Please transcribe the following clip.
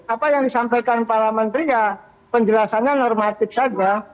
apa yang disampaikan para menteri ya penjelasannya normatif saja